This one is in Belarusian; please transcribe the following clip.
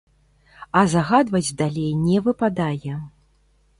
А загадваць далей не выпадае.